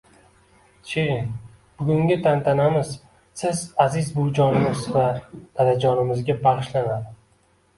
Shirin: Bugungi tantanamiz siz aziz buvijonimiz va dodajonimizga bag’ishlanadi...